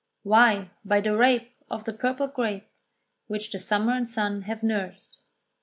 "Why by the rape Of the purple grape, Which the summer and sun have nursed."